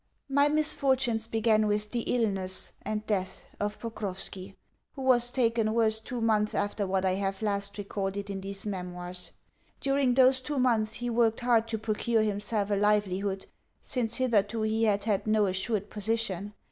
My misfortunes began with the illness and death of Pokrovski, who was taken worse two months after what I have last recorded in these memoirs. During those two months he worked hard to procure himself a livelihood since hitherto he had had no assured position.